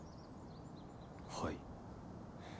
はい。